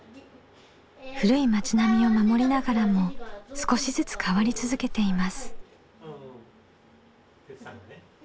古い町並みを守りながらも少しずつ変わり続けています。